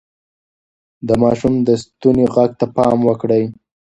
د ماشوم د ستوني غږ ته پام وکړئ.